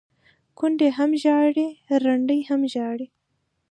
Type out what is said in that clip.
ـ کونډې هم ژاړي ړنډې هم ژاړي،